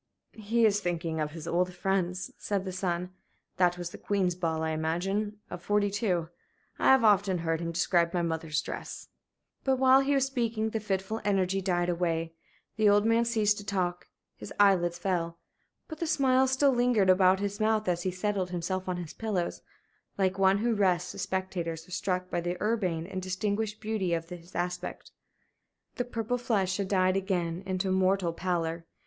"He is thinking of his old friends," said the son. "That was the Queen's ball, I imagine, of '42. I have often heard him describe my mother's dress." But while he was speaking the fitful energy died away. The old man ceased to talk; his eyelids fell. But the smile still lingered about his mouth, and as he settled himself on his pillows, like one who rests, the spectators were struck by the urbane and distinguished beauty of his aspect. The purple flush had died again into mortal pallor.